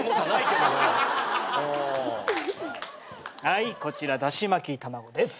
はいこちらだし巻き卵です。